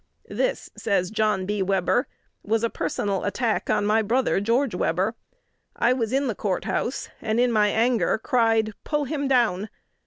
"This," says John B. Webber, "was a personal attack on my brother, George Webber. I was in the Court House, and in my anger cried, 'Pull him down!'"